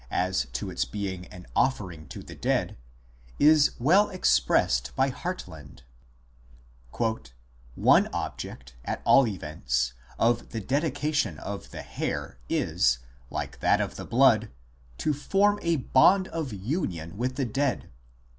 as to its being an offering to the dead, is well expressed by Hartland :" One object, at all events, of the dedication of the hair is, like that of the blood, to form a bond of union with the dead.